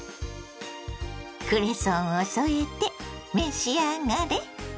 クレソンを添えて召し上がれ。